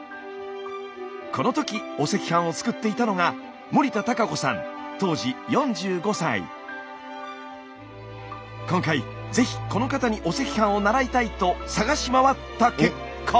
この時お赤飯を作っていたのが今回ぜひこの方にお赤飯を習いたいとさがし回った結果。